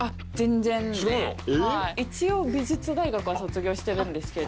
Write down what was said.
一応美術大学は卒業してるんですけど。